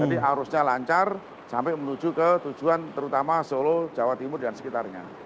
jadi arusnya lancar sampai menuju ke tujuan terutama solo jawa timur dan sekitarnya